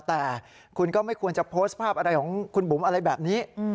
แต่คุณก็ไม่ควรจะโพสต์ภาพอะไรของคุณบุ๋มอะไรแบบนี้